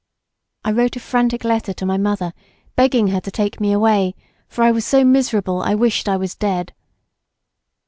I wrote a frantic letter to my mother begging her to take me away, for I was so miserable, I wished I was dead.